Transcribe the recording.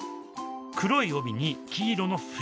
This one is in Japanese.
黒い帯に黄色の縁。